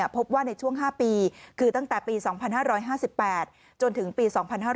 พบว่าในช่วง๕ปีคือตั้งแต่ปี๒๕๕๘จนถึงปี๒๕๕๙